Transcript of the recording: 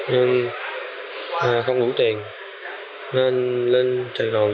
nhưng không đủ tiền nên lên sài gòn chỉ lấy được bốn trăm linh gram